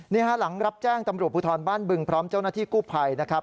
นี่ฮะหลังรับแจ้งตำรวจภูทรบ้านบึงพร้อมเจ้าหน้าที่กู้ภัยนะครับ